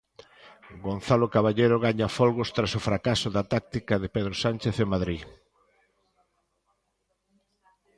Gonzalo Caballero gaña folgos tras o fracaso da táctica de Pedro Sánchez en Madrid.